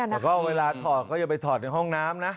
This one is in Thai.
แล้วก็เวลาถอดก็อย่าไปถอดในห้องน้ำนะ